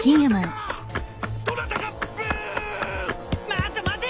待て待て！